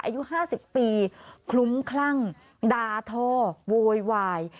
อายุ๕๐ปีคลุ้มคลั่งดาทอโวยวาย